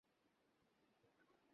মীর হাবিব অত্যন্ত বুদ্ধিমান ছিলেন।